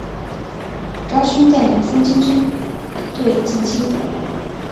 张勋带领三千军队进京。